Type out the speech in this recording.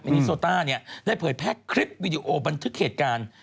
อันนี้โซต้าเนี่ยได้เผยแพร่คลิปวิดีโอบันทึกเหตุการณ์